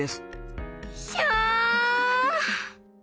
ひゃ！